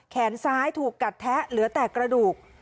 แขนซ้ายถูกกัดแทะเหลือแต่กระดูก